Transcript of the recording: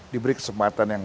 diberi kesempatan yang